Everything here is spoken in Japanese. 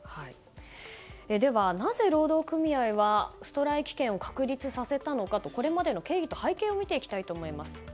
では、なぜ労働組合はストライキ権を確立させたのかこれまでの経緯と背景を見ていきたいと思います。